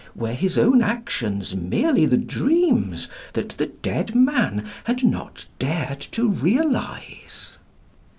Were his own actions merely the dreams that the dead man had not dared to realise?